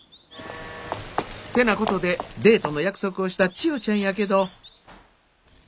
てなことでデートの約束をした千代ちゃんやけど。